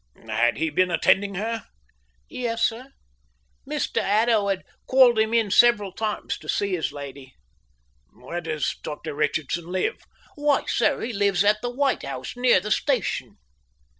"Had he been attending her?" "Yes, sir. Mr Haddo had called him in several times to see his lady." "Where does Dr Richardson live?" "Why, sir, he lives at the white house near the station."